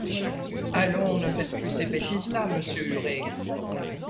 Allons, ne faites plus de ces bêtises-là, monsieur Huré!